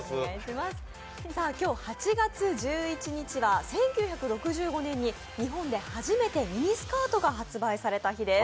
今日８月１１日は１９６５年に日本で初めてミニスカートが発売された日です。